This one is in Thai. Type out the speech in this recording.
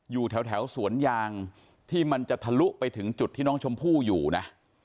อยู่แถวสวนยางที่มันจะทะลุไปถึงจุดที่น้องชมพู่อยู่นะ